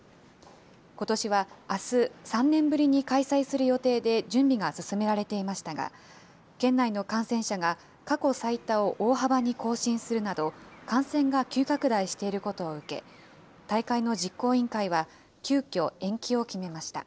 ことしはあす、３年ぶりに開催する予定で準備が進められていましたが、県内の感染者が過去最多を大幅に更新するなど、感染が急拡大していることを受け、大会の実行委員会は急きょ、延期を決めました。